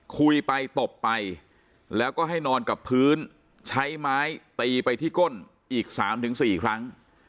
คุยไปตบไปแล้วก็ให้นอนกับพื้นใช้ไม้ตีไปที่ก้นอีก๓๔ครั้ง